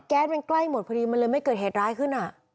มันใกล้หมดพอดีมันเลยไม่เกิดเหตุร้ายขึ้น